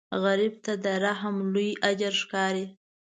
غریب ته رحم لوی اجر ښکاري